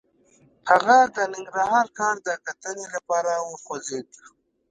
هغه د ننګرهار ښار د کتنې لپاره وخوځېد.